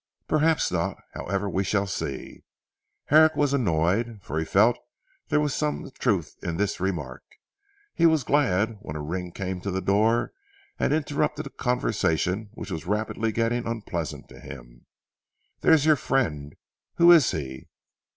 "Perhaps not. However we shall see," Herrick was annoyed, for he felt there was some truth in this remark. He was glad when a ring came to the door and interrupted a conversation which was rapidly getting unpleasant to him. "There's your friend. Who is he?"